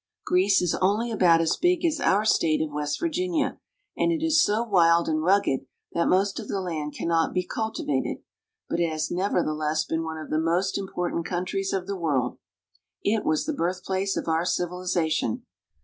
Greece is only about as big as our state of West Virginia, and it is so wild and rugged that most of the land cannot be culti vated, but it has nevertheless been one of the most impor tant countries of the world. It was the birthplace of our civilization.